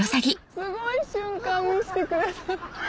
すごい瞬間見してくれた。